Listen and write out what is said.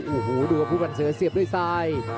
อูหูดูวันผู้พันธ์เสือเสียบด้วยทราย